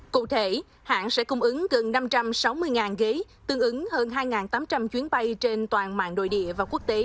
cụ thể hãng sẽ cung ứng gần năm trăm sáu mươi ghế tương ứng hơn hai tám trăm linh chuyến bay trên toàn mạng nội địa và quốc tế